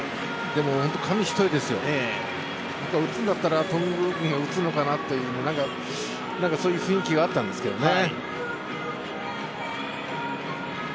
でも紙一重ですよ、打つんだったら頓宮、打つのかなっていうそういう雰囲気があったんですけどね。